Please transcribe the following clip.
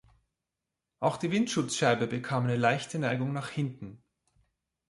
Auch die Windschutzscheibe bekam eine leichte Neigung nach hinten.